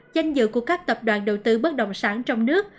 danh dự của các tập đoàn đầu tư bất đồng sản trong nước